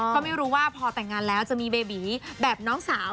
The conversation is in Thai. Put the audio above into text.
ก็ไม่รู้ว่าพอแต่งงานแล้วจะมีเบบีแบบน้องสาว